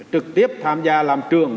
trực tiếp tham gia làm trường